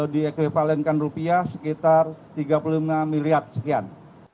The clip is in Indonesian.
diekvivalenkan rupiah sekitar tiga puluh lima miliar sekian